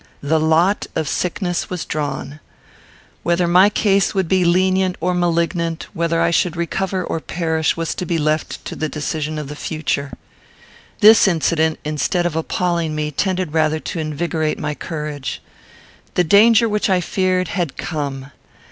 The lot of sickness was drawn. Whether my case would be lenient or malignant, whether I should recover or perish, was to be left to the decision of the future. This incident, instead of appalling me, tended rather to invigorate my courage. The danger which I feared had come.